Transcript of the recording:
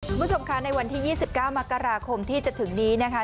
คุณผู้ชมค่ะในวันที่๒๙มกราคมที่จะถึงนี้นะคะ